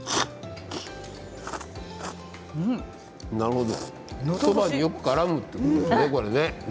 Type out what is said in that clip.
このそばによくからむということですね。